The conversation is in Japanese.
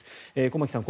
駒木さん